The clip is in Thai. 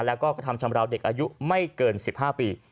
แล้วก็กระทำชำราวเด็กอายุไม่เกิน๑๕ปี